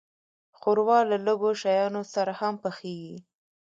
ښوروا له لږو شیانو سره هم پخیږي.